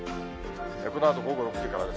このあと午後６時からです。